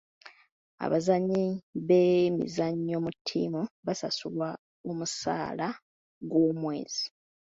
Abazannyi b'emizannyo mu ttiimu basasulwa omusaala gw'omwezi.